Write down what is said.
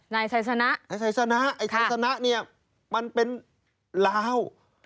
นายไทยสนะไทยสนะไทยสนะเนี่ยมันเป็นลาว